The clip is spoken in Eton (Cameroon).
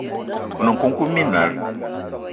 One nkoukouma minal